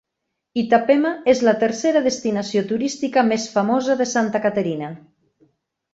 Itapema és la tercera destinació turística més famosa de Santa Catarina.